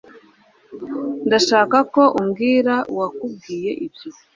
Ndashaka ko umbwira uwakubwiye ibyo